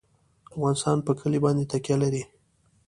افغانستان په کلي باندې تکیه لري.